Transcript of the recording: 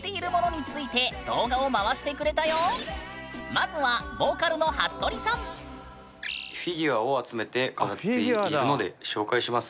まずはフィギュアを集めて飾っているので紹介します。